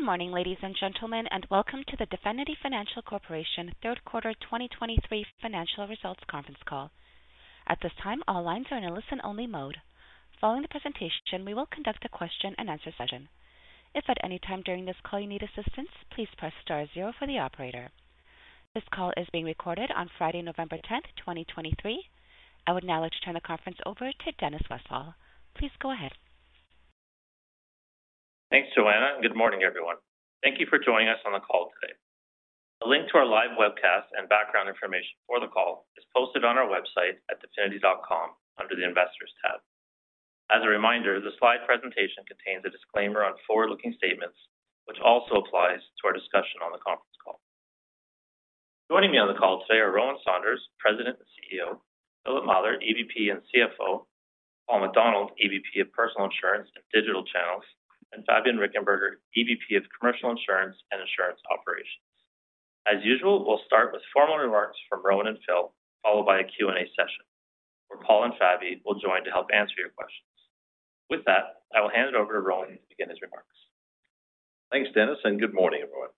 Good morning, ladies and gentlemen, and welcome to the Definity Financial Corporation 3Q 2023 financial results conference call. At this time, all lines are in a listen-only mode. Following the presentation, we will conduct a question-and-answer session. If at any time during this call you need assistance, please press star zero for the operator. This call is being recorded on Friday, 10 November, 2023. I would now like to turn the conference over to Dennis Westfall. Please go ahead. Thanks, Joanna, and good morning, everyone. Thank you for joining us on the call today. A link to our live webcast and background information for the call is posted on our website at definity.com under the Investors tab. As a reminder, the slide presentation contains a disclaimer on forward-looking statements, which also applies to our discussion on the conference call. Joining me on the call today are Rowan Saunders, President and CEO; Philip Mather, EVP and CFO; Paul MacDonald, EVP of Personal Insurance and Digital Channels; and Fabian Richenberger, EVP of Commercial Insurance and Insurance Operations. As usual, we'll start with formal remarks from Rowan and Phil, followed by a Q&A session, where Paul and Fabi will join to help answer your questions. With that, I will hand it over to Rowan to begin his remarks. Thanks, Dennis, and good morning, everyone.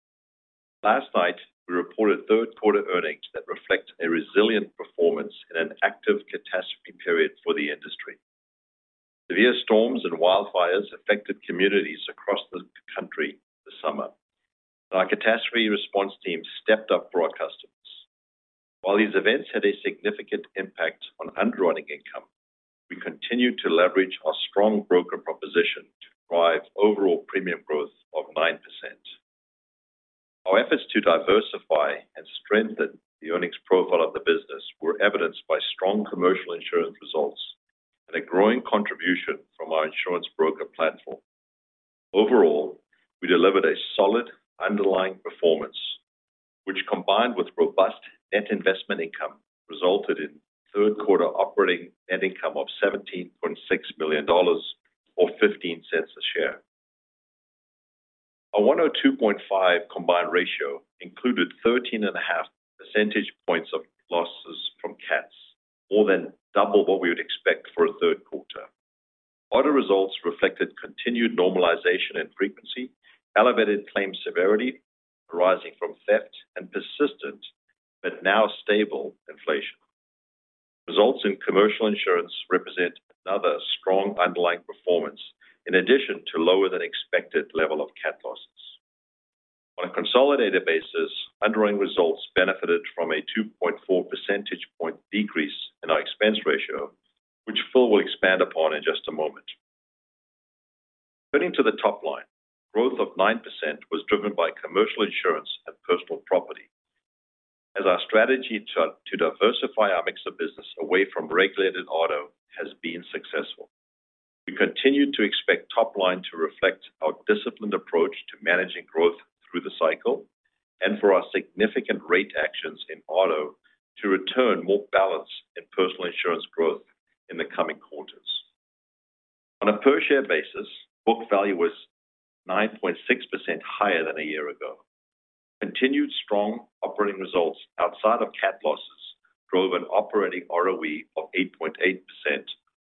Last night, we reported third-quarter earnings that reflect a resilient performance in an active catastrophe period for the industry. Severe storms and wildfires affected communities across the country this summer. Our catastrophe response team stepped up for our customers. While these events had a significant impact on underwriting income, we continued to leverage our strong broker proposition to drive overall premium growth of 9%. Our efforts to diversify and strengthen the earnings profile of the business were evidenced by strong commercial insurance results and a growing contribution from our insurance broker platform. Overall, we delivered a solid underlying performance, which, combined with robust net investment income, resulted in third-quarter operating net income of $ 17.6 million or $ 0.15 per share. Our 102.5 combined ratio included 13.5 percentage points of losses from cats, more than double what we would expect for a 3Q. Auto results reflected continued normalization and frequency, elevated claim severity arising from theft and persistent, but now stable inflation. Results in commercial insurance represent another strong underlying performance in addition to lower than expected level of cat losses. On a consolidated basis, underwriting results benefited from a 2.4 percentage point decrease in our expense ratio, which Phil will expand upon in just a moment. Turning to the top line, growth of 9% was driven by commercial insurance and personal property, as our strategy to diversify our mix of business away from regulated auto has been successful. We continue to expect top line to reflect our disciplined approach to managing growth through the cycle and for our significant rate actions in auto to return more balance in personal insurance growth in the coming quarters. On a per-share basis, book value was 9.6% higher than a year ago. Continued strong operating results outside of cat losses drove an operating ROE of 8.8%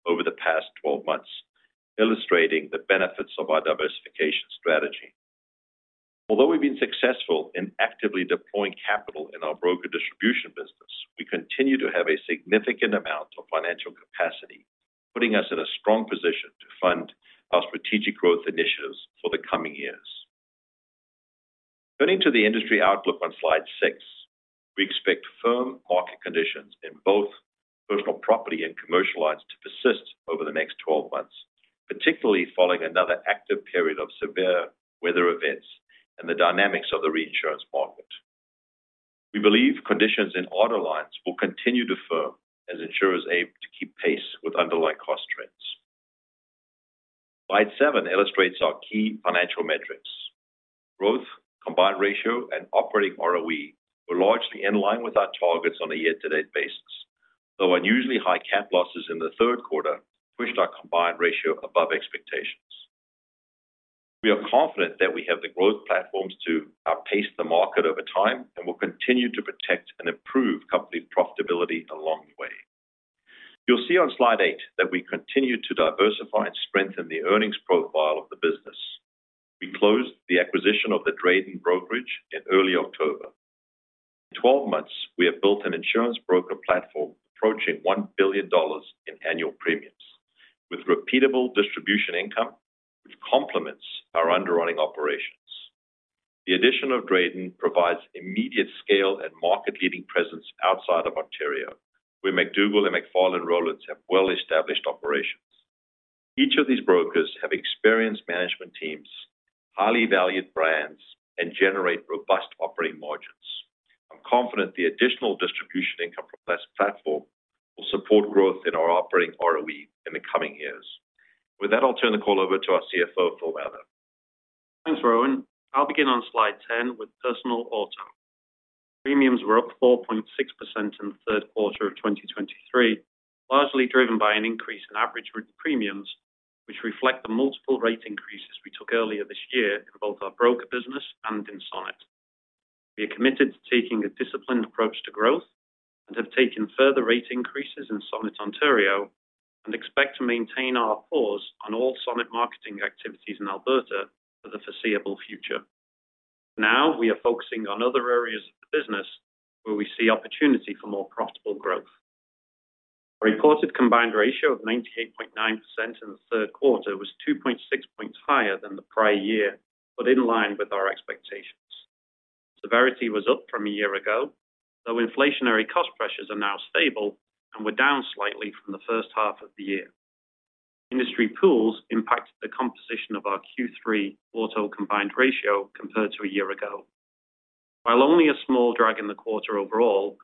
over the past twelve months, illustrating the benefits of our diversification strategy. Although we've been successful in actively deploying capital in our broker distribution business, we continue to have a significant amount of financial capacity, putting us in a strong position to fund our strategic growth initiatives for the coming years. Turning to the industry outlook on slide 6, we expect firm market conditions in both personal property and commercial lines to persist over the next 12 months, particularly following another active period of severe weather events and the dynamics of the reinsurance market. We believe conditions in auto lines will continue to firm as insurers aim to keep pace with underlying cost trends. Slide 7 illustrates our key financial metrics. Growth, combined ratio, and operating ROE were largely in line with our targets on a year-to-date basis, though unusually high cat losses in the 3Q pushed our combined ratio above expectations. We are confident that we have the growth platforms to outpace the market over time and will continue to protect and improve company profitability along the way. You'll see on slide 8 that we continue to diversify and strengthen the earnings profile of the business. We closed the acquisition of the Drayden Brokerage in early October. In 12 months, we have built an insurance broker platform approaching $ 1 billion in annual premiums, with repeatable distribution income, which complements our underwriting operations. The addition of Drayden provides immediate scale and market-leading presence outside of Ontario, where McDougall and McFarlan Rowlands have well-established operations. Each of these brokers have experienced management teams, highly valued brands, and generate robust operating margins. I'm confident the additional distribution income from this platform will support growth in our operating ROE in the coming years. With that, I'll turn the call over to our CFO, Phil Mather. Thanks, Rowan. I'll begin on slide 10 with personal auto. Premiums were up 4.6% in the 3Q of 2023, largely driven by an increase in average premiums, which reflect the multiple rate increases we took earlier this year in both our broker business and. We are committed to taking a disciplined approach to growth and have taken further rate increases in Sonnet, Ontario, and expect to maintain our pause on all Sonnet marketing activities in Alberta for the foreseeable future. Now, we are focusing on other areas of the business where we see opportunity for more profitable growth. Our reported combined ratio of 98.9% in the 3Q was 2.6 points higher than the prior year, but in line with our expectations. Severity was up from a year ago, though inflationary cost pressures are now stable and were down slightly from the first half of the year. Industry Pools impacted the composition of our Q3 auto Combined Ratio compared to a year ago. While only a small drag in the quarter overall,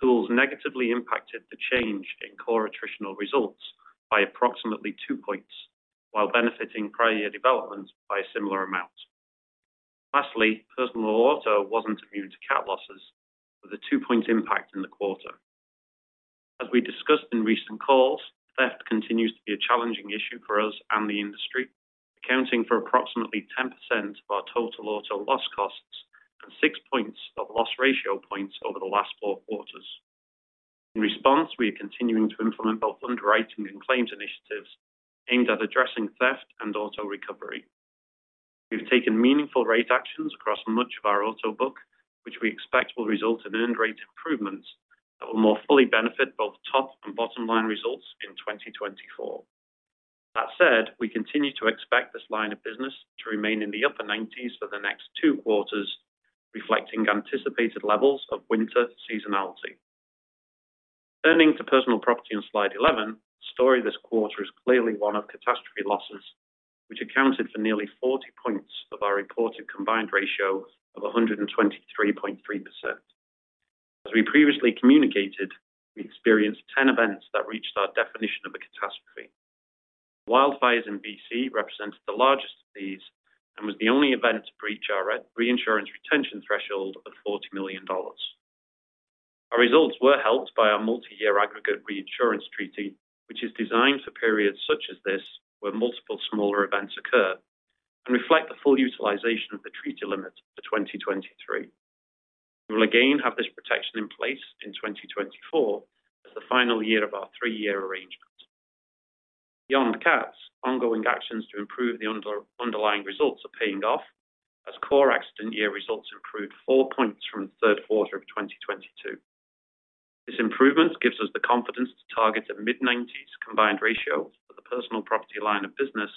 pools negatively impacted the change in core attritional results by approximately two points, while benefiting prior year developments by a similar amount. Lastly, personal auto wasn't immune to cat losses, with a 2-point impact in the quarter. As we discussed in recent calls, theft continues to be a challenging issue for us and the industry, accounting for approximately 10% of our total auto loss costs and 6 points of loss Ratio points over the last 4Qs. In response, we are continuing to implement both underwriting and claims initiatives aimed at addressing theft and auto recovery. We've taken meaningful rate actions across much of our auto book, which we expect will result in earned rate improvements that will more fully benefit both top and bottom line results in 2024. That said, we continue to expect this line of business to remain in the upper 90s for the next two quarters, reflecting anticipated levels of winter seasonality. Turning to personal property on slide 11, the story this quarter is clearly one of catastrophe losses, which accounted for nearly 40 points of our reported combined ratio of 123.3%. As we previously communicated, we experienced 10 events that reached our definition of a catastrophe. Wildfires in BC represented the largest of these, and was the only event to breach our reinsurance retention threshold of $ 40 million. Our results were helped by our multi-year aggregate reinsurance treaty, which is designed for periods such as this, where multiple smaller events occur and reflect the full utilization of the treaty limit for 2023. We will again have this protection in place in 2024 as the final year of our 3-year arrangement. Beyond cats, ongoing actions to improve the underlying results are paying off as core accident year results improved 4 points from the 3Q of 2022. This improvement gives us the confidence to target the mid-90s combined ratio for the personal property line of business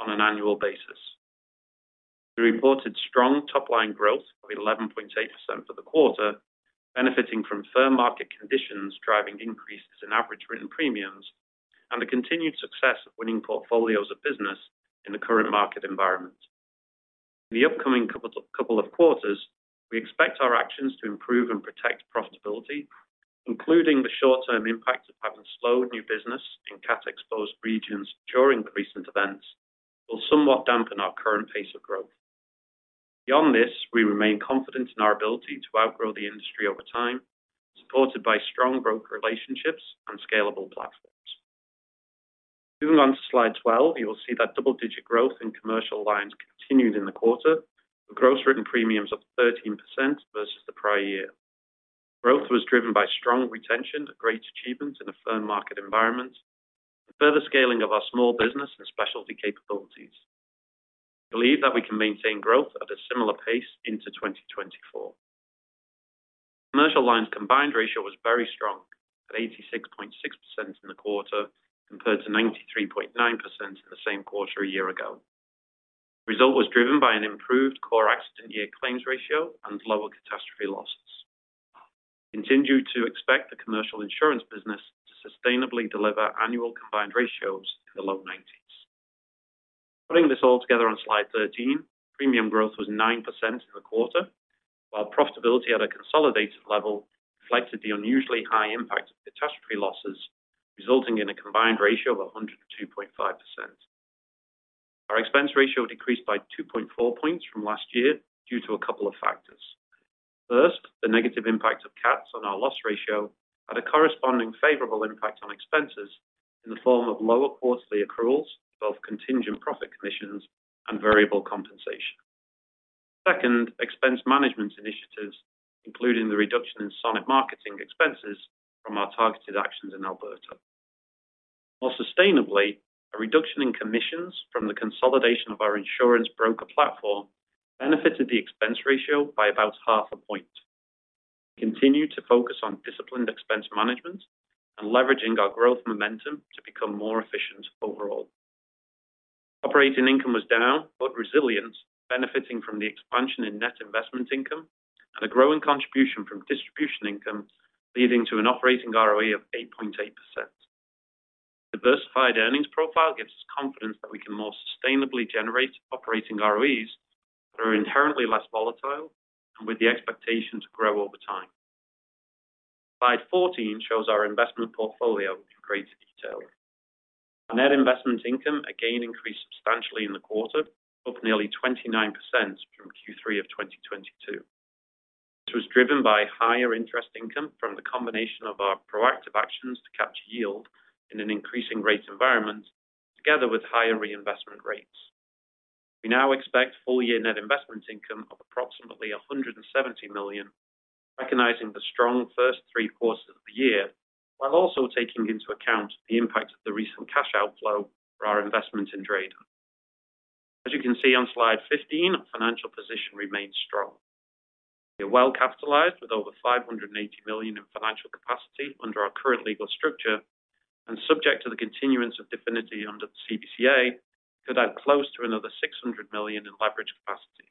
on an annual basis. We reported strong top-line growth of 11.8% for the quarter, benefiting from firm market conditions, driving increases in average written premiums, and the continued success of winning portfolios of business in the current market environment. In the upcoming couple of quarters, we expect our actions to improve and protect profitability, including the short-term impact of having slowed new business in cat-exposed regions during recent events, will somewhat dampen our current pace of growth. Beyond this, we remain confident in our ability to outgrow the industry over time, supported by strong broker relationships and scalable platforms. Moving on to slide 12, you will see that double-digit growth in commercial lines continued in the quarter, with gross written premiums of 13% versus the prior year. Growth was driven by strong retention, a great achievement in a firm market environment, and further scaling of our small business and specialty capabilities. We believe that we can maintain growth at a similar pace into 2024. Commercial lines combined ratio was very strong at 86.6% in the quarter, compared to 93.9% in the same quarter a year ago. The result was driven by an improved core accident year claims ratio and lower catastrophe losses. We continue to expect the commercial insurance business to sustainably deliver annual combined ratios in the low nineties. Putting this all together on slide 13, premium growth was 9% in the quarter, while profitability at a consolidated level reflected the unusually high impact of catastrophe losses, resulting in a combined ratio of 102.5%. Our expense ratio decreased by 2.4 points from last year due to a couple of factors. First, the negative impact of cats on our loss ratio had a corresponding favorable impact on expenses in the form of lower quarterly accruals, both contingent profit commissions and variable compensation. Second, expense management initiatives, including the reduction in Sonnet marketing expenses from our targeted actions in Alberta. More sustainably, a reduction in commissions from the consolidation of our insurance broker platform benefited the expense ratio by about half a point. We continue to focus on disciplined expense management and leveraging our growth momentum to become more efficient overall. Operating income was down, but resilient, benefiting from the expansion in net investment income and a growing contribution from distribution income, leading to an operating ROE of 8.8%. Diversified earnings profile gives us confidence that we can more sustainably generate operating ROEs that are inherently less volatile and with the expectation to grow over time. Slide 14 shows our investment portfolio in greater detail. Our net investment income again increased substantially in the quarter, up nearly 29% from Q3 of 2022. This was driven by higher interest income from the combination of our proactive actions to capture yield in an increasing rate environment, together with higher reinvestment rates. We now expect full year net investment income of approximately $ 170 million, recognizing the strong first three quarters of the year, while also taking into account the impact of the recent cash outflow for our investment in Drayden. As you can see on slide 15, our financial position remains strong. We are well capitalized with over $ 580 million in financial capacity under our current legal structure, and subject to the continuance of Definity under the CBCA, could add close to another $ 600 million in leverage capacity.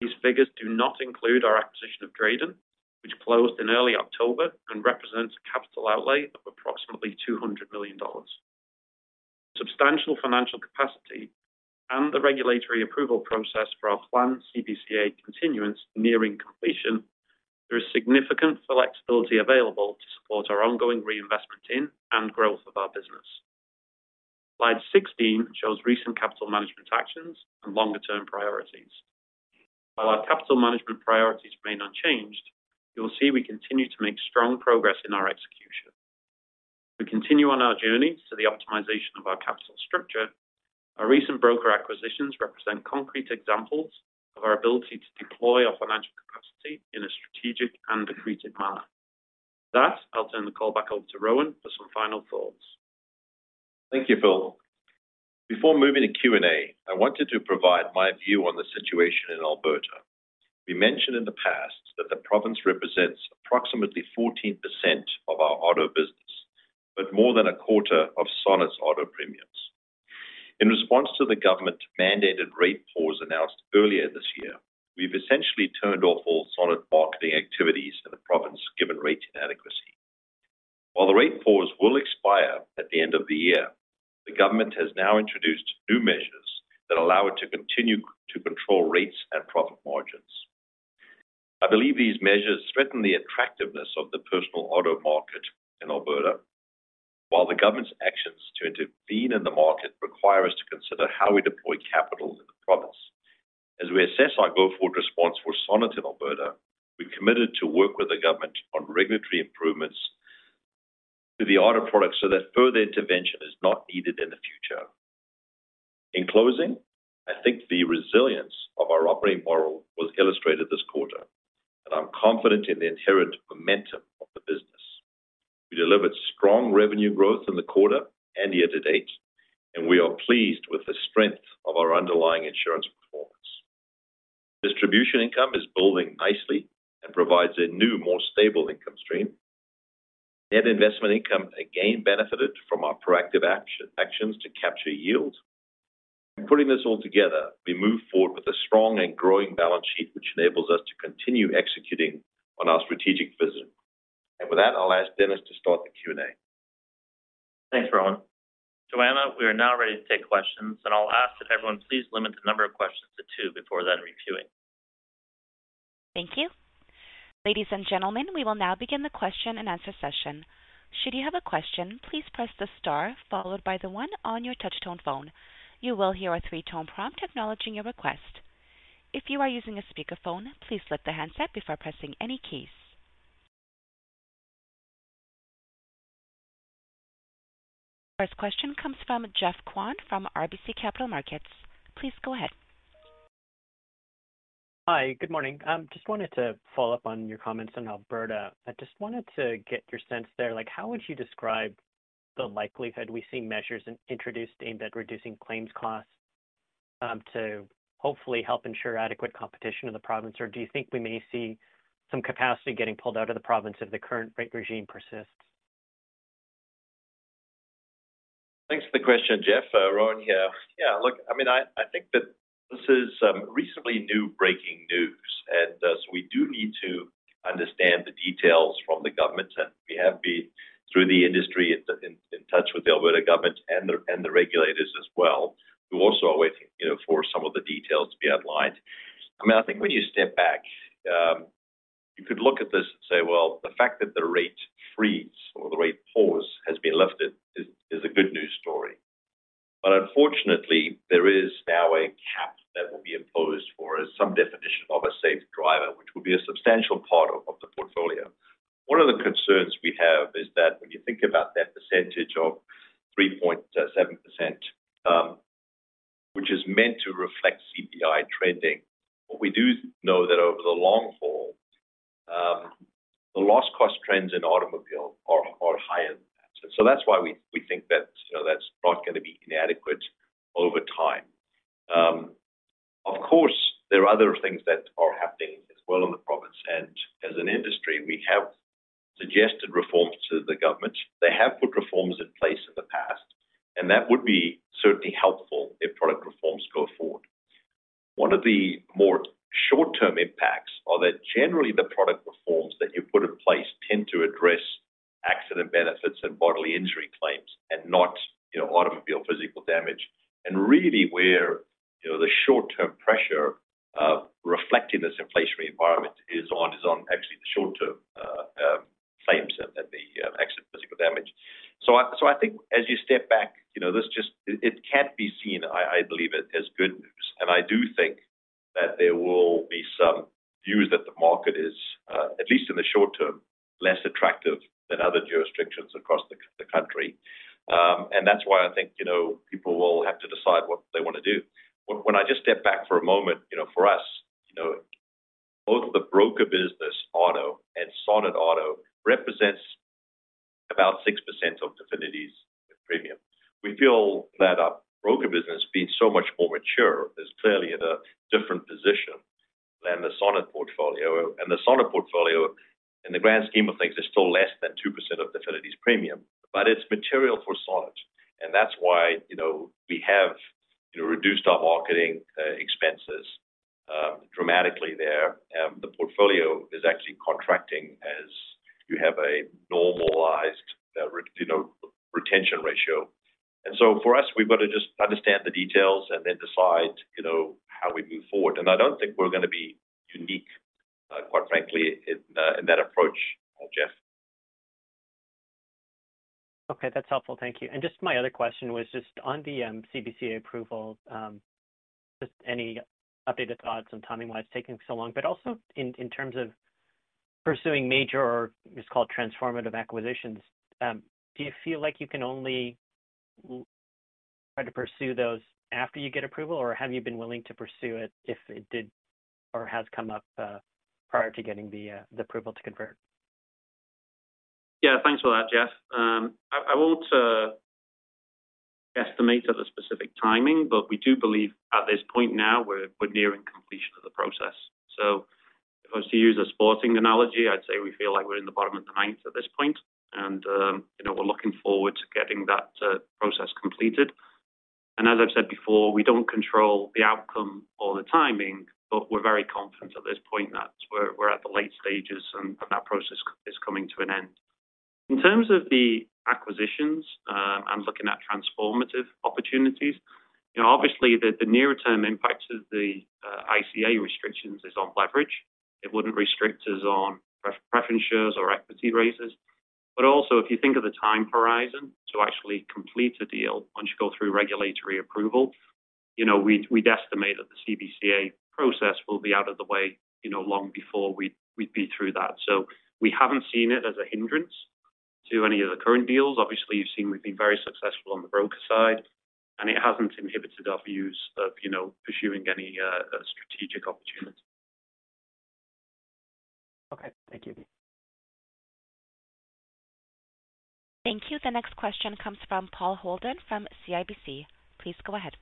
These figures do not include our acquisition of Drayden, which closed in early October and represents a capital outlay of approximately $ 200 million. Substantial financial capacity and the regulatory approval process for our planned CBCA continuance nearing completion, there is significant flexibility available to support our ongoing reinvestment in and growth of our business. Slide 16 shows recent capital management actions and longer-term priorities. While our capital management priorities remain unchanged, you will see we continue to make strong progress in our execution. We continue on our journey to the optimization of our capital structure. Our recent broker acquisitions represent concrete examples of our ability to deploy our financial capacity in a strategic and accretive manner. With that, I'll turn the call back over to Rowan for some final thoughts. Thank you, Phil. Before moving to Q&A, I wanted to provide my view on the situation in Alberta. We mentioned in the past that the province represents approximately 14% of our auto business, but more than 25% of Sonnet's auto premiums. In response to the government-mandated rate pause announced earlier this year, we've essentially turned off all Sonnet marketing activities in the province, given rate inadequacy. While the rate pause will expire at the end of the year, the government has now introduced new measures that allow it to continue to control rates and profit margins. I believe these measures threaten the attractiveness of the personal auto market in Alberta, while the government's actions to intervene in the market require us to consider how we deploy capital in the province. As we assess our go-forward response for Sonnet in Alberta, we've committed to work with the government on regulatory improvements to the auto products so that further intervention is not needed in the future. In closing, I think the resilience of our operating model was illustrated this quarter, and I'm confident in the inherent momentum of the business. We delivered strong revenue growth in the quarter and year to date, and we are pleased with the strength of our underlying insurance performance. Distribution income is building nicely and provides a new, more stable income stream. Net investment income again benefited from our proactive actions to capture yield. Putting this all together, we move forward with a strong and growing balance sheet, which enables us to continue executing on our strategic vision. With that, I'll ask Dennis to start the Q&A. Thanks, Rowan. Joanna, we are now ready to take questions, and I'll ask that everyone please limit the number of questions to two before then queuing. Thank you. Ladies and gentlemen, we will now begin the question-and-answer session. Should you have a question, please press the star followed by the one on your touchtone phone. You will hear a 3-tone prompt acknowledging your request. If you are using a speakerphone, please lift the handset before pressing any keys. First question comes from Jeff Fenwick from RBC Capital Markets. Please go ahead. Hi, good morning. Just wanted to follow up on your comments on Alberta. I just wanted to get your sense there, like, how would you describe the likelihood we see measures introduced aimed at reducing claims costs, to hopefully help ensure adequate competition in the province? Or do you think we may see some capacity getting pulled out of the province if the current rate regime persists? Thanks for the question, Jeff. Rowan here. Yeah, look, I mean, I think that this is recently new breaking news, and so we do need to understand the details from the government, and we have been, through the industry, estimate of the specific timing, but we do believe at this point now, we're nearing completion of the process. So if I was to use a sporting analogy, I'd say we feel like we're in the bottom of the ninth at this point, and, you know, we're looking forward to getting that process completed. And as I've said before, we don't control the outcome or the timing, but we're very confident at this point that we're at the late stages, and that process is coming to an end. In terms of the acquisitions, I'm looking at transformative opportunities. You know, obviously, the near-term impact of the ICA restrictions is on leverage. It wouldn't restrict us on preference shares or equity raises. But also, if you think of the time horizon to actually complete a deal, once you go through regulatory approval, you know, we'd estimate that the CBCA process will be out of the way, you know, long before we'd be through that. So we haven't seen it as a hindrance to any of the current deals. Obviously, you've seen we've been very successful on the broker side, and it hasn't inhibited our views of, you know, pursuing any strategic opportunities. Okay, thank you. Thank you. The next question comes from Paul Holden from CIBC. Please go ahead.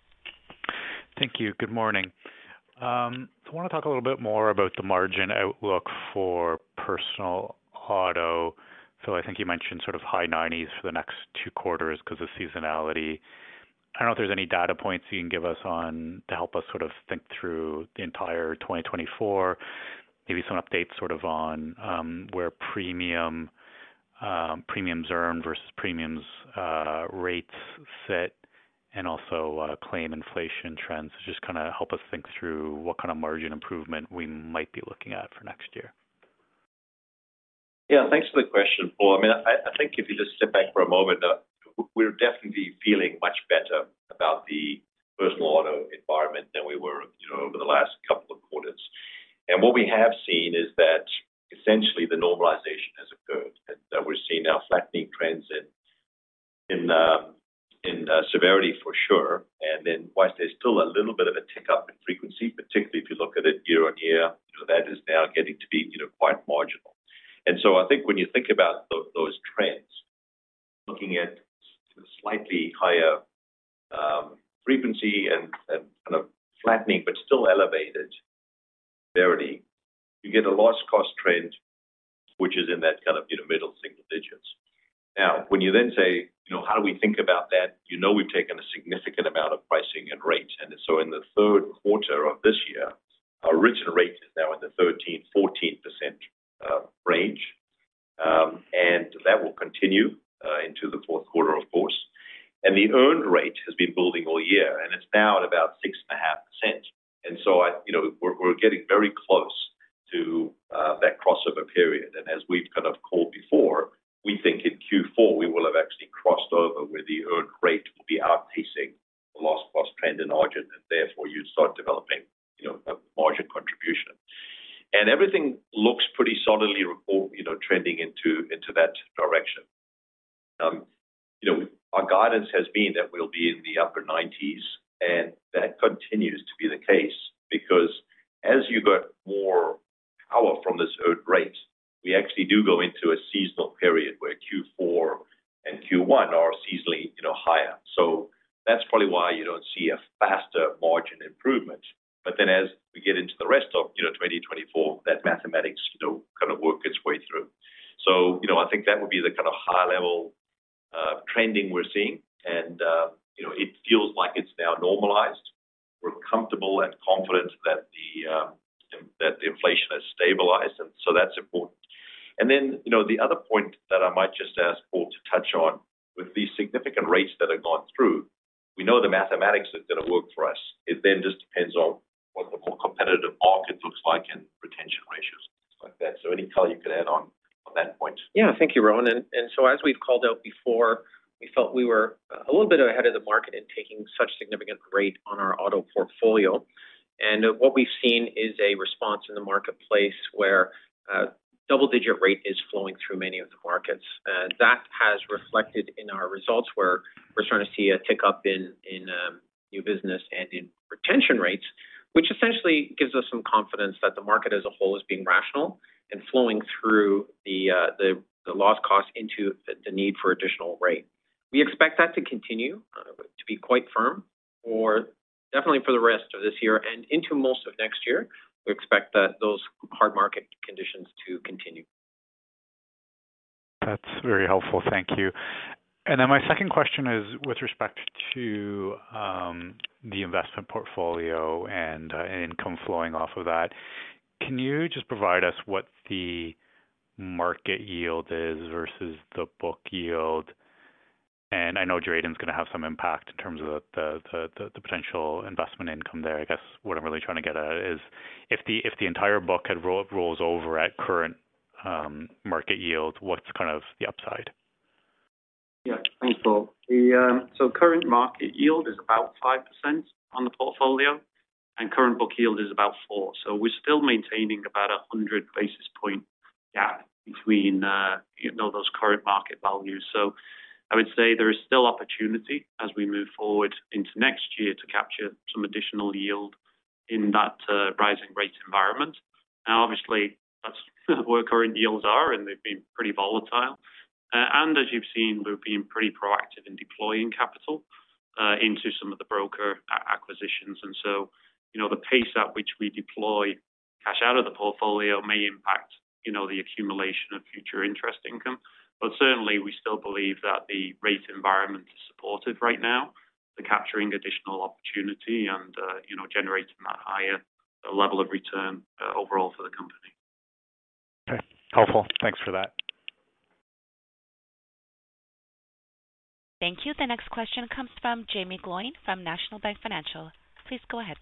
Thank you. Good morning. So I want to talk a little bit more about the margin outlook for personal auto. So I think you mentioned sort of high 90s for the next two quarters because of seasonality. I don't know if there's any data points you can give us on to help us sort of think through the entire 2024, maybe some updates sort of on where premiums earned versus premiums rates fit, and also claim inflation trends. Just help us think through what kind of margin improvement we might be looking at for next year. Yeah, thanks for the question, Paul. I mean, I think if you just sit back for a moment, that we're definitely feeling much better about the personal auto environment than we were, you know, over the last couple of quarters. And what we have seen is that essentially the normalization has occurred, and that we're seeing now flattening trends in severity for sure. And then whilst there's still a little bit of a tick-up in frequency, particularly if you look at it year-over-year, you know, that is now getting to be, you know, quite marginal. And so I think when you think about those trends, looking at slightly higher frequency and kind of flattening, but still elevated severity, you get a loss cost trend, which is in that you know, middle single digits. Now, when you then say, you know, how do we think about that? You know, we've taken a significant amount of pricing and rate. And so in the 3Q of this year, our original rate is now in the 13%-14% range, and that will continue into the 4Q, of course. And the earned rate has been building all year, and it's now at about 6.5%. And so you know, we're getting very close to that crossover period. And as we've kind of called before, we think in Q4, we will have actually crossed over where the earned rate will be outpacing the loss cost trend in margin, and therefore, you start developing, you know, a margin contribution. And everything looks pretty solidly report, you know, trending into that direction. You know, our guidance has been that we'll be in the upper 90s, and that continues to be the case because as you get more power from this earned rate, we actually do go into a seasonal period where Q4 and Q1 are seasonally, you know, higher. So that's probably why you don't see a faster margin improvement. But then as we get into the rest of, you know, 2024, that mathematics, you know, kind of work its way through. So, you know, I think that would be the kind of high-level trending we're seeing, and, you know, it feels like it's now normalized. We're comfortable and confident that the, that the inflation has stabilized, and so that's important. And then, you know, the other point that I might just ask Paul to touch on, with these significant rates that have gone through, we know the mathematics are gonna work for us. It then just depends on what the more competitive market looks like and-... Any color you could add on, on that point? Yeah, thank you, Rowan. And so as we've called out before, we felt we were a little bit ahead of the market in taking such significant rate on our auto portfolio. And what we've seen is a response in the marketplace where double-digit rate is flowing through many of the markets. That has reflected in our results, where we're starting to see a tick-up in new business and in retention rates, which essentially gives us some confidence that the market as a whole is being rational and flowing through the loss cost into the need for additional rate. We expect that to continue to be quite firm for definitely for the rest of this year and into most of next year. We expect that those hard market conditions to continue. That's very helpful. Thank you. And then my second question is with respect to the investment portfolio and income flowing off of that. Can you just provide us what the market yield is versus the book yield? And I know Drayden is gonna have some impact in terms of the potential investment income there. I guess what I'm really trying to get at is if the entire book had rolls over at current market yield, what's kind of the upside? Yeah, thanks, Paul. The so current market yield is about 5% on the portfolio, and current book yield is about 4. So we're still maintaining about 100 basis point gap between, you know, those current market values. So I would say there is still opportunity as we move forward into next year to capture some additional yield in that, rising rate environment. Now, obviously, that's where current yields are, and they've been pretty volatile. And as you've seen, we've been pretty proactive in deploying capital, into some of the broker acquisitions. And so, you know, the pace at which we deploy cash out of the portfolio may impact, you know, the accumulation of future interest income. But certainly, we still believe that the rate environment is supportive right now to capturing additional opportunity and, you know, generating that higher level of return, overall for the company. Okay, helpful. Thanks for that. Thank you. The next question comes from Jaeme Gloyn, from National Bank Financial. Please go ahead.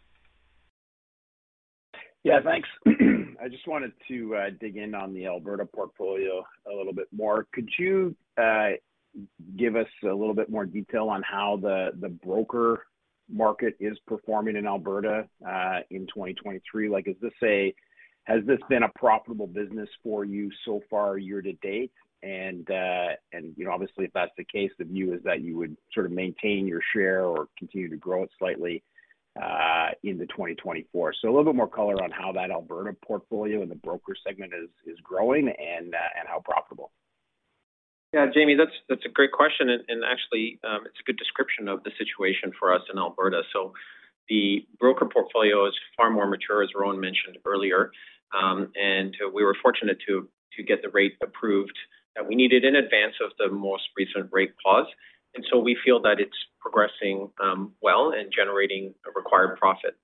Yeah, thanks. I just wanted to dig in on the Alberta portfolio a little bit more. Could you give us a little bit more detail on how the broker market is performing in Alberta in 2023? Like, has this been a profitable business for you so far year to date? And, you know, obviously, if that's the case, the view is that you would sort of maintain your share or continue to grow it slightly into 2024. So a little bit more color on how that Alberta portfolio and the broker segment is growing and how profitable. Yeah, Jaeme, that's, that's a great question. And, and actually, it's a good description of the situation for us in Alberta. So the broker portfolio is far more mature, as Rowan mentioned earlier, and we were fortunate to, to get the rate approved that we needed in advance of the most recent rate pause. And so we feel that it's progressing, well and generating a required profit.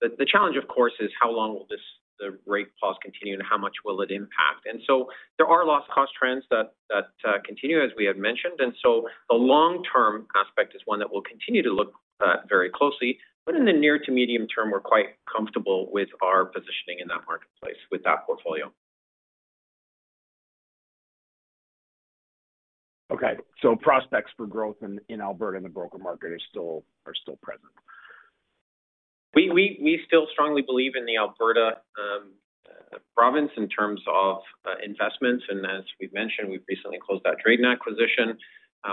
The, the challenge, of course, is how long will this, the rate pause continue and how much will it impact? And so there are loss cost trends that, that, continue, as we have mentioned. And so the long-term aspect is one that we'll continue to look at very closely, but in the near to medium term, we're quite comfortable with our positioning in that marketplace with that portfolio. Okay, so prospects for growth in Alberta and the broker market are still present? We still strongly believe in the Alberta province in terms of investments. As we've mentioned, we've recently closed that Drayden acquisition.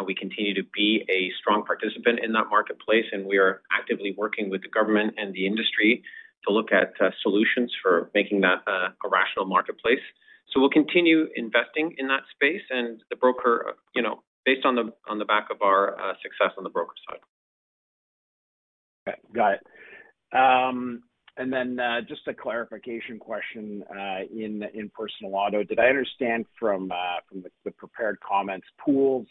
We continue to be a strong participant in that marketplace, and we are actively working with the government and the industry to look at solutions for making that a rational marketplace. So we'll continue investing in that space and the broker, you know, based on the back of our success on the broker side. Okay, got it. And then, just a clarification question in personal auto. Did I understand from the prepared comments, pools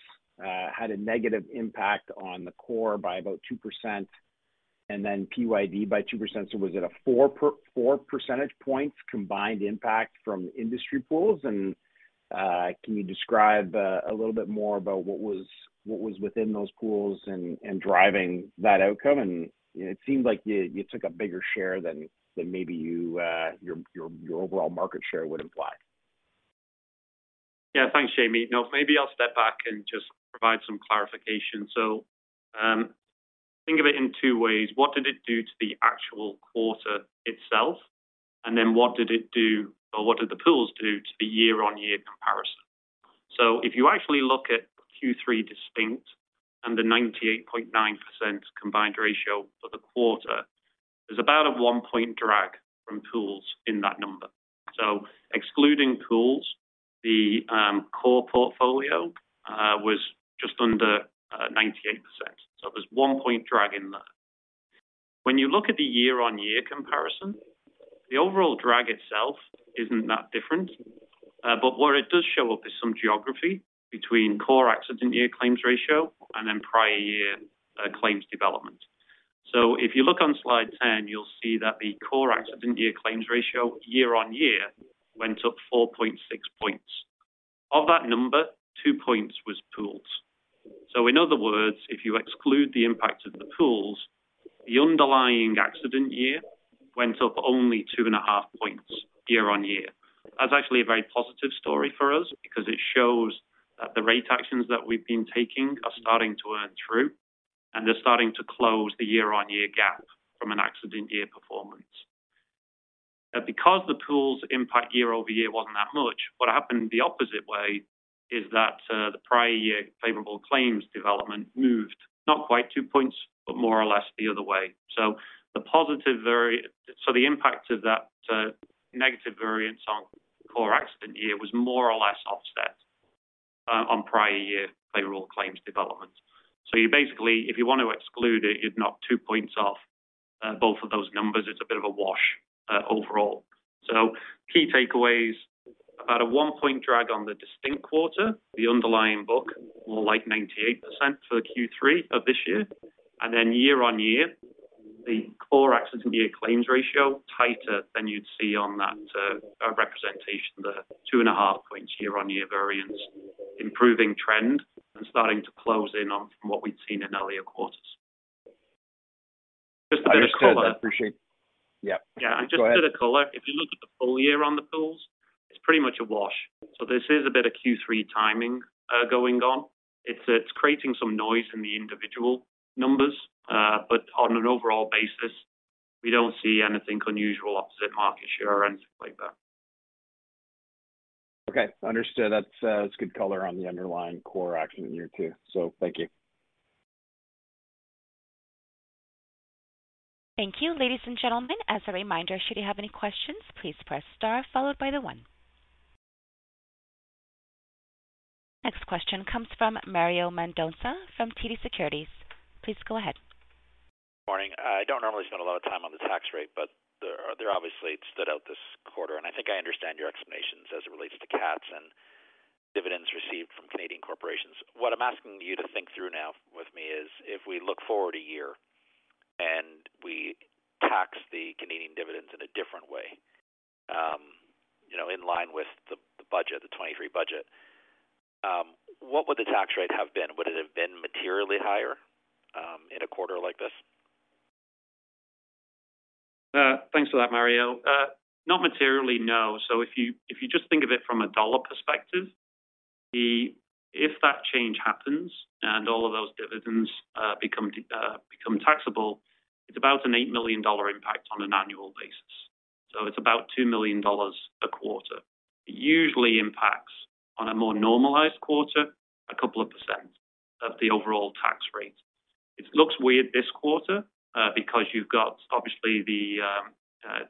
had a negative impact on the core by about 2% and then PYD by 2%? So was it a 4 percentage points combined impact from Industry Pools? And can you describe a little bit more about what was within those pools and driving that outcome? And it seemed like you took a bigger share than maybe your overall market share would imply. Yeah. Thanks, Jaeme. Now, maybe I'll step back and just provide some clarification. So, think of it in two ways. What did it do to the actual quarter itself? And then what did it do, or what did the pools do to the year-on-year comparison? So if you actually look at Q3 distinct and the 98.9% combined ratio for the quarter, there's about a 1-point drag from pools in that number. So excluding pools, the core portfolio was just under 98%. So there's 1 point drag in there. When you look at the year-on-year comparison, the overall drag itself isn't that different. But where it does show up is some geography between core accident year claims ratio and then prior year claims development. So if you look on slide 10, you'll see that the core accident year claims ratio year-on-year went up 4.6 points. Of that number, 2 points was pooled. So in other words, if you exclude the impact of the pools, the underlying accident year went up only 2.5 points year-on-year. That's actually a very positive story for us, because it shows that the rate actions that we've been taking are starting to earn through, and they're starting to close the year-on-year gap from an accident year performance. Now, because the pool's impact year-over-year wasn't that much, what happened the opposite way is that the prior year favorable claims development moved, not quite 2 points, but more or less the other way. So the impact of that, negative variance on core accident year was more or less offset, on prior year payroll claims development. So you basically, if you want to exclude it, you'd knock two points off, both of those numbers. It's a bit of a wash, overall. So key takeaways, about a 1-point drag on the distinct quarter, the underlying book, more like 98% for the Q3 of this year, and then year-on-year, the core accident year claims ratio tighter than you'd see on that, representation, the 2.5 points year-on-year variance, improving trend and starting to close in on from what we'd seen in earlier quarters. Just a bit of color. I appreciate. Yeah. Yeah. Go ahead. Just a bit of color. If you look at the full year on the pools, it's pretty much a wash. This is a bit of Q3 timing going on. It's creating some noise in the individual numbers, but on an overall basis, we don't see anything unusual opposite market share or anything like that. Okay, understood. That's good color on the underlying core accident year, too. Thank you. Thank you, ladies and gentlemen. As a reminder, should you have any questions, please press star followed by the 1. Next question comes from Mario Mendonca from TD Securities. Please go ahead. Morning. I don't normally spend a lot of time on the tax rate, but they, they obviously stood out this quarter, and I think I understand your explanations as it relates to cats and dividends received from Canadian corporations. What I'm asking you to think through now with me is, if we look forward a year and we tax the Canadian dividends in a different way, you know, in line with the budget, the 23 budget, what would the tax rate have been? Would it have been materially higher, in a quarter like this? Thanks for that, Mario. Not materially, no. So if you, if you just think of it from a dollar perspective, if that change happens and all of those dividends become, become taxable, it's about $ 8 million impact on an annual basis. So it's about $ 2 million a quarter. It usually impacts on a more normalized quarter, a couple of percent of the overall tax rate. It looks weird this quarter, because you've got obviously the,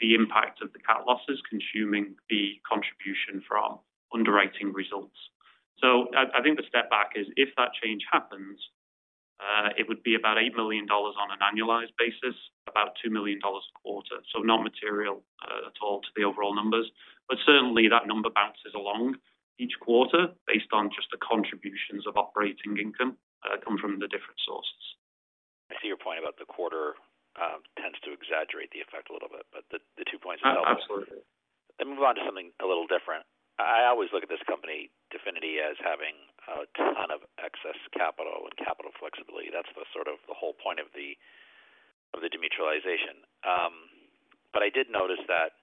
the impact of the cat losses consuming the contribution from underwriting results. So I, I think the step back is if that change happens, it would be about $ 8 million on an annualized basis, about $ 2 million a quarter. So not material, at all to the overall numbers, but certainly, that number bounces along each quarter based on just the contributions of operating income, come from the different sources. I see your point about the quarter tends to exaggerate the effect a little bit, but the two points itself- Absolutely. Let me move on to something a little different. I always look at this company, Definity, as having a ton of excess capital and capital flexibility. That's the sort of the whole point of the, of the demutualization. But I did notice that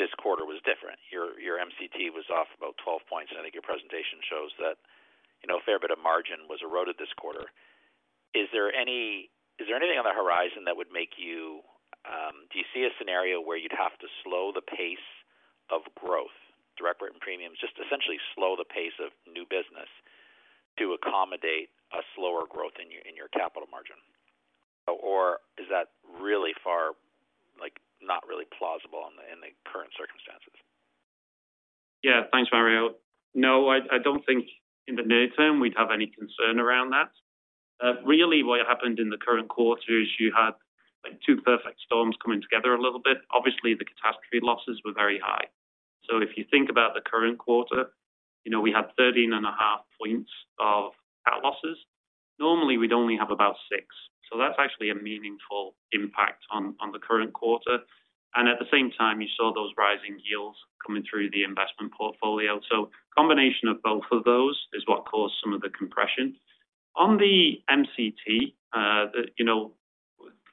this quarter was different. Your, your MCT was off about 12 points, and I think your presentation shows that, you know, a fair bit of margin was eroded this quarter. Is there anything on the horizon that would make you, Do you see a scenario where you'd have to slow the pace of growth, direct written premiums, just essentially slow the pace of new business to accommodate a slower growth in your, in your capital margin? Or is that really far, like, not really plausible in the, in the current circumstances? Yeah. Thanks, Mario. No, I don't think in the near term we'd have any concern around that. Really, what happened in the current quarter is you had, like, 2 perfect storms coming together a little bit. Obviously, the catastrophe losses were very high. So if you think about the current quarter, you know, we had 13.5 points of losses. Normally, we'd only have about 6. So that's actually a meaningful impact on the current quarter. And at the same time, you saw those rising yields coming through the investment portfolio. So combination of both of those is what caused some of the compression. On the MCT, you know,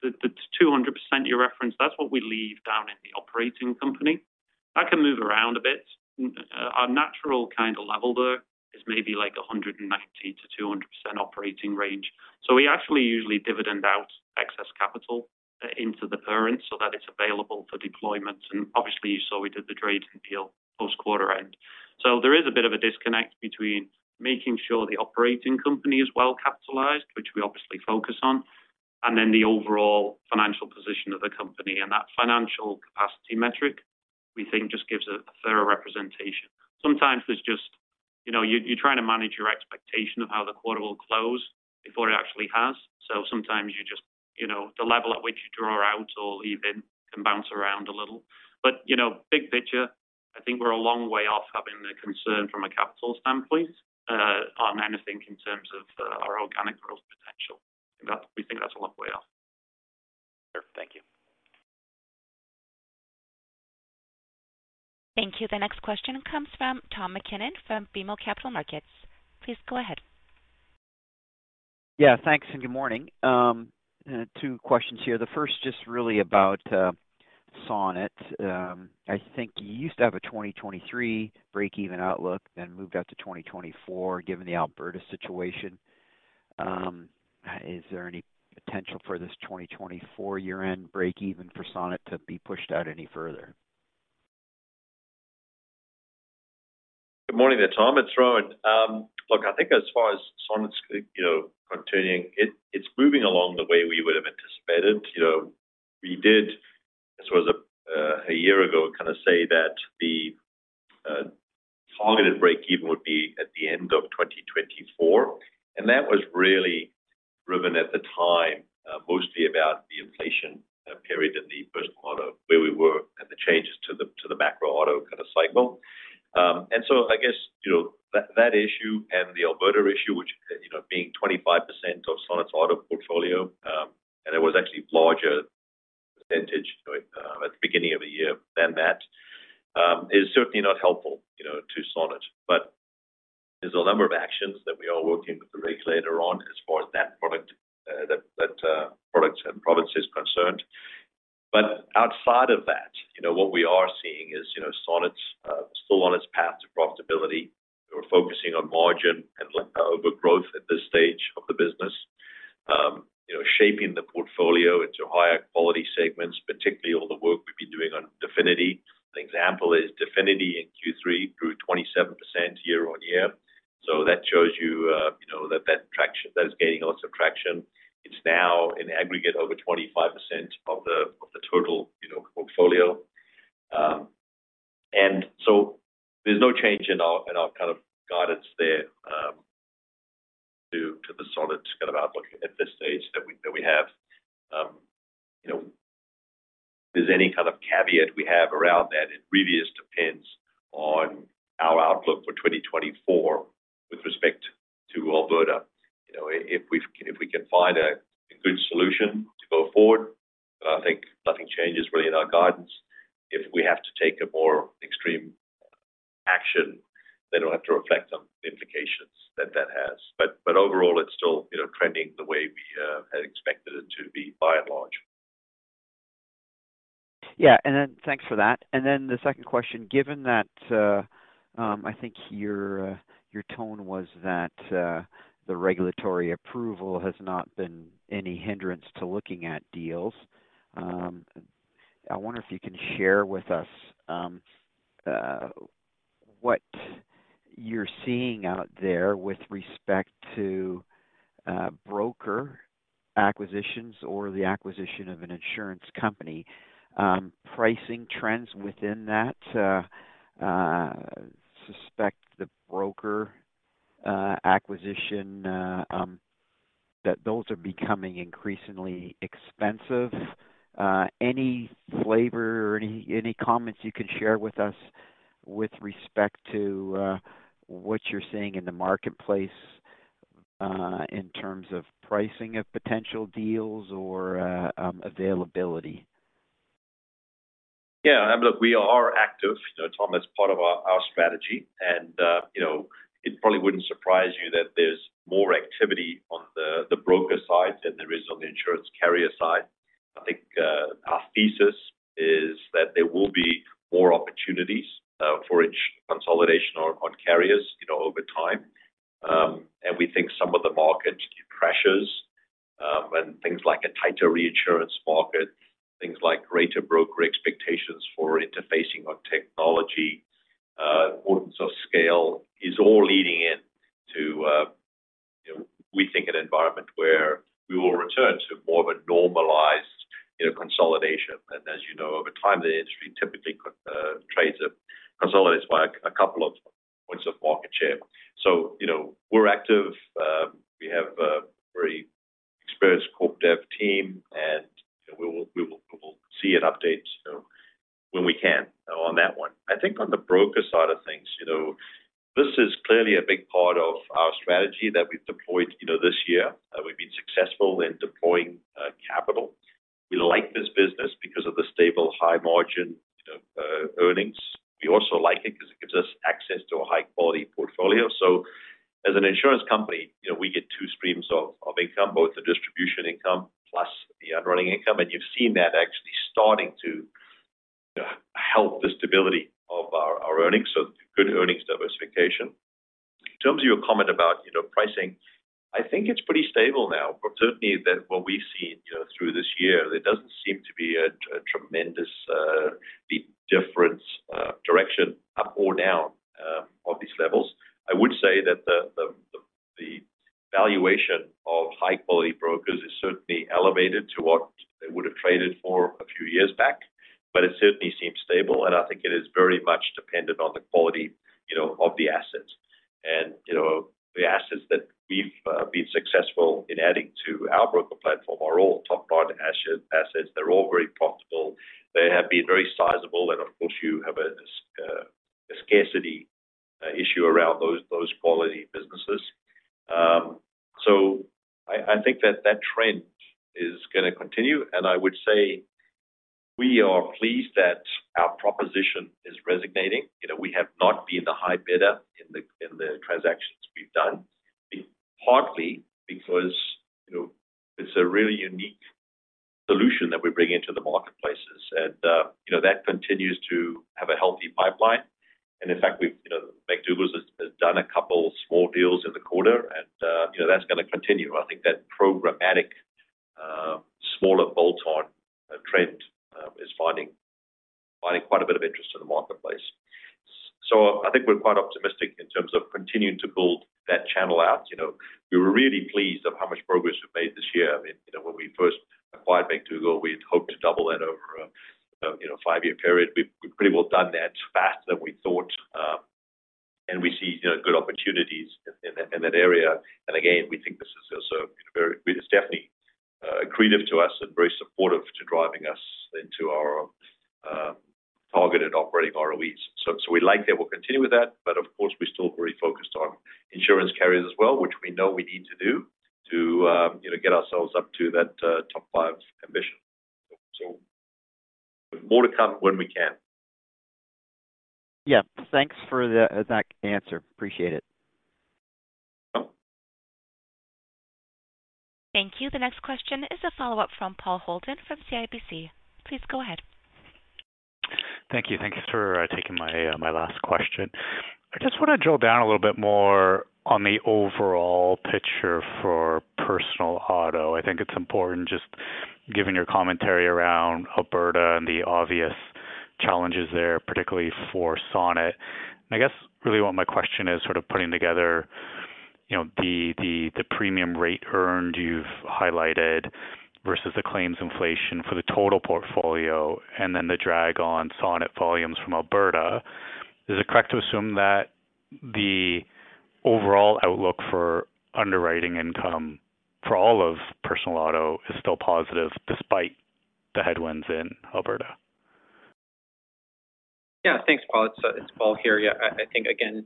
the 200% you referenced, that's what we leave down in the operating company. That can move around a bit. Our natural kind of level, though, is maybe like 190%-200% operating range. So we actually usually dividend out excess capital into the parents so that it's available for deployment. And obviously, you saw we did the Drayden deal post-quarter end. So there is a bit of a disconnect between making sure the operating company is well-capitalized, which we obviously focus on, and then the overall financial position of the company. And that financial capacity metric, we think, just gives a thorough representation. Sometimes there's just, you know, you're trying to manage your expectation of how the quarter will close before it actually has. So sometimes you just, you know, the level at which you draw out or leave in can bounce around a little. You know, big picture, I think we're a long way off having the concern from a capital standpoint, on anything in terms of, our organic growth potential. We think that's a long way off. Thank you. The next question comes from Tom MacKinnon from BMO Capital Markets. Please go ahead. Yeah, thanks, and good morning. 2 questions here. The first, just really about Sonnet. I think you used to have a 2023 breakeven outlook, then moved out to 2024, given the Alberta situation. Is there any potential for this 2024 year-end breakeven for Sonnet to be pushed out any further? Good morning there, Tom. It's Rowan. Look, I think as far as Sonnet's, you know, continuing, it, it's moving along the way we would have anticipated. You know, we did, as far as, a year ago, kind of say that the targeted breakeven would be at the end of 2024, and that was really driven at the time, mostly about the inflation period in the first quarter, where we were and the changes to the, to the macro auto kind of cycle. And so I guess, you know, that, that issue and the Alberta issue, which, you know, being 25% of Sonnet's auto portfolio, and it was actually a larger percentage, at the beginning of the year than that, is certainly not helpful, you know, to Sonnet. But there's a number of actions that we are working with the regulator on as far as that product and province is concerned. But outside of that, you know, what we are seeing is, you know, Sonnet's still on its path to profitability. We're focusing on margin and overgrowth at this stage of the business. You know, shaping the portfolio into higher quality segments, particularly all the work we've been doing on Definity. An example is Definity in Q3 grew 27% year-on-year. So that shows you, you know, that traction that is gaining lots of traction. It's now in aggregate over 25% of the total, you know, portfolio. And so there's no change in our, in our kind of guidance there, to, to the Sonnet kind of outlook at this stage that we, that we have. You know, if there's any kind of caveat we have around that, it really just depends on our outlook for 2024 with respect to Alberta. You know, if we, if we can find a, a good solution to go forward, then I think nothing changes really in our guidance. If we have to take a more extreme action, then we'll have to reflect on the implications that that has. But, but overall, it's still, you know, trending the way we had expected it to be, by and large. Yeah, and then thanks for that. And then the second question, given that, I think your tone was that the regulatory approval has not been any hindrance to looking at deals, I wonder if you can share with us what you're seeing out there with respect to broker acquisitions or the acquisition of an insurance company, pricing trends within that. I suspect the broker acquisition that those are becoming increasingly expensive. Any flavor or any comments you can share with us with respect to what you're seeing in the marketplace in terms of pricing of potential deals or availability? Yeah, and look, we are active. You know, Tom, that's part of our, our strategy. And, you know, it probably wouldn't surprise you that there's more activity on the, the broker side than there is on the insurance carrier side. I think, our thesis is that there will be more opportunities, for consolidation on, on carriers, you know, over time. And we think some of the market pressures, and things like a tighter reinsurance market, things like greater broker expectations for interfacing on technology, importance of scale, is all leading in to, you know, we think an environment where we will return to more of a normalized, you know, consolidation. And as you know, over time, the industry typically, trades a consolidated by a couple of points of market share. So, you know, we're active. We have a very experienced Corp Dev team, and we will see and update, you know, when we can, on that one. I think on the broker side of things, you know, this is clearly a big part of our strategy that we've deployed, you know, this year. We've been successful in deploying capital. We like this business because of the stable, high margin, you know, earnings. We also like it because it gives us access to a high-quality portfolio. So as an insurance company, you know, we get two streams of income, both the distribution income plus the underwriting income, and you've seen that actually starting to help the stability of our earnings. So good earnings diversification. In terms of your comment about, you know, pricing, I think it's pretty stable now. But certainly that's what we've seen, you know, through this year, there doesn't seem to be a tremendous big difference direction up or down of these levels. I would say that the valuation of high-quality brokers is certainly elevated to what they would have traded for a few years back, but it certainly seems stable, and I think it is very much dependent on the quality, you know, of the assets. And, you know, the assets that we've been successful in adding to our broker platform are all top-line assets. They're all very profitable. They have been very sizable, and of course, you have a scarcity issue around those quality businesses.... I think that that trend is going to continue, and I would say we are pleased that our proposition is resonating. You know, we have not been the high bidder in the transactions we've done, partly because, you know, it's a really unique solution that we bring into the marketplaces. And, you know, that continues to have a healthy pipeline. And in fact, we've, you know, McDougall has done a couple small deals in the quarter, and, you know, that's going to continue. I think that programmatic, smaller bolt-on, trend, is finding quite a bit of interest in the marketplace. So I think we're quite optimistic in terms of continuing to build that channel out. You know, we were really pleased of how much progress we've made this year. I mean, you know, when we first acquired McDougall, we'd hoped to double that over a, you know, five-year period. We've pretty well done that faster than we thought, and we see, you know, good opportunities in that area. And again, we think this is also very, it's definitely accretive to us and very supportive to driving us into our targeted operating ROEs. So we like that, we'll continue with that, but of course, we're still very focused on insurance carriers as well, which we know we need to do to, you know, get ourselves up to that top 5 ambition. So more to come when we can. Yeah. Thanks for that answer. Appreciate it. Welcome. Thank you. The next question is a follow-up from Paul Holden from CIBC. Please go ahead. Thank you. Thanks for taking my, my last question. I just want to drill down a little bit more on the overall picture for personal auto. I think it's important just given your commentary around Alberta and the obvious challenges there, particularly for Sonnet. And I guess really what my question is, sort of putting together, you know, the premium rate earned you've highlighted versus the claims inflation for the total portfolio and then the drag on Sonnet volumes from Alberta. Is it correct to assume that the overall outlook for underwriting income for all of personal auto is still positive despite the headwinds in Alberta? Yeah. Thanks, Paul. It's Paul here. Yeah, I think, again,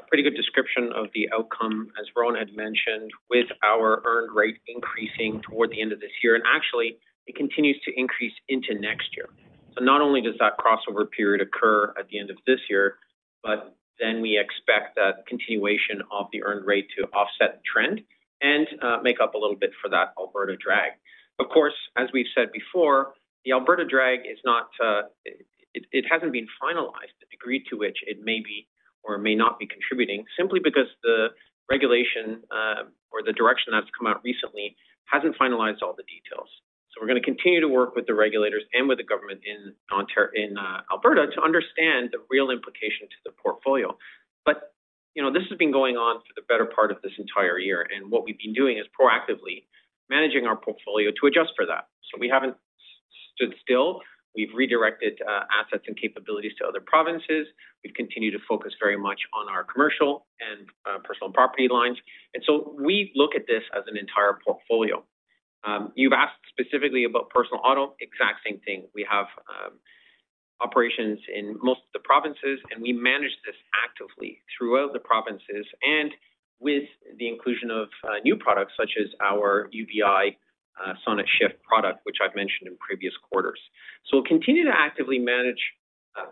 a pretty good description of the outcome, as Rowan had mentioned, with our earned rate increasing toward the end of this year. And actually, it continues to increase into next year. So not only does that crossover period occur at the end of this year, but then we expect that continuation of the earned rate to offset the trend and make up a little bit for that Alberta drag. Of course, as we've said before, the Alberta drag is not finalized, the degree to which it may be or may not be contributing, simply because the regulation or the direction that's come out recently hasn't finalized all the details. So we're going to continue to work with the regulators and with the government in Alberta to understand the real implication to the portfolio. But, you know, this has been going on for the better part of this entire year, and what we've been doing is proactively managing our portfolio to adjust for that. So we haven't stood still. We've redirected assets and capabilities to other provinces. We've continued to focus very much on our commercial and personal property lines. And so we look at this as an entire portfolio. You've asked specifically about personal auto, exact same thing. We have operations in most of the provinces, and we manage this actively throughout the provinces and with the inclusion of new products, such as our UBI Sonnet Shift product, which I've mentioned in previous quarters. So we'll continue to actively manage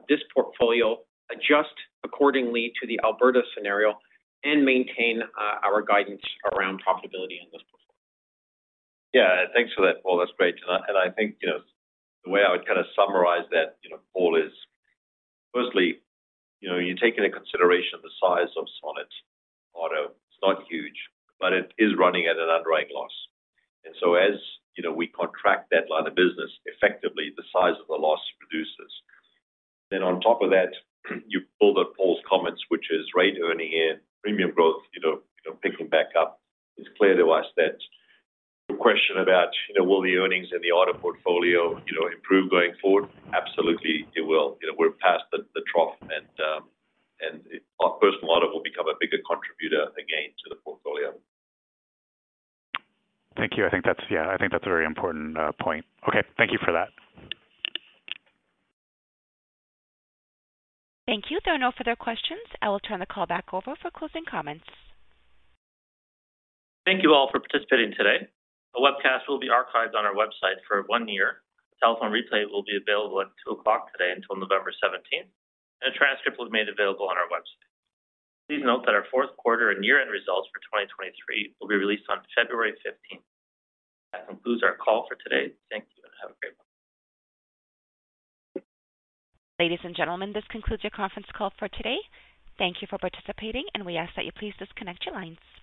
this portfolio, adjust accordingly to the Alberta scenario, and maintain our guidance around profitability in this portfolio. Yeah. Thanks for that, Paul. That's great. And I think, you know, the way I would kind of summarize that, you know, Paul, is firstly, you know, you take into consideration the size of Sonnet Auto. It's not huge, but it is running at an underwriting loss. And so as, you know, we contract that line of business, effectively, the size of the loss reduces. Then on top of that, you build on Paul's comments, which is rate earning and premium growth, you know, you know, picking back up. It's clear to us that the question about, you know, will the earnings in the auto portfolio, you know, improve going forward? Absolutely, it will. You know, we're past the trough, and our personal auto will become a bigger contributor again to the portfolio. Thank you. I think that's, yeah, I think that's a very important point. Okay. Thank you for that. Thank you. There are no further questions. I will turn the call back over for closing comments. Thank you all for participating today. The webcast will be archived on our website for one year. Telephone replay will be available at 2:00 PM today until 17 November, and a transcript will be made available on our website. Please note that our 4Q and year-end results for 2023 will be released on 15 February. That concludes our call for today. Thank you, and have a great one. Ladies and gentlemen, this concludes your conference call for today. Thank you for participating, and we ask that you please disconnect your lines.